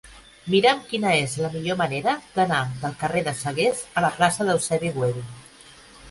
Mira'm quina és la millor manera d'anar del carrer de Sagués a la plaça d'Eusebi Güell.